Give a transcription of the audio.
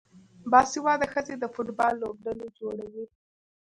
باسواده ښځې د فوټبال لوبډلې جوړوي.